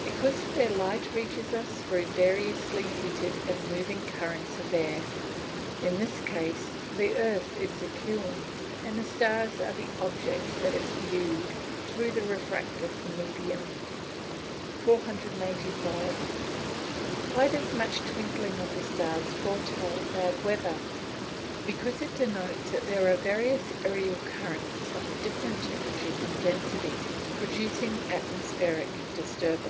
_ Because their light reaches us through variously heated and moving currents of air. In this case the earth is the kiln, and the stars the object that is viewed through the refractive medium. 485. Why does much twinkling of the stars foretell bad weather? Because it denotes that there are various ærial currents of different temperatures and densities, producing atmospheric disturbance.